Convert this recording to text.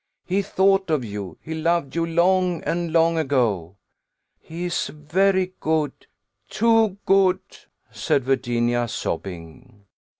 He thought of you, he loved you long and long ago." "He is very good, too good," said Virginia, sobbing.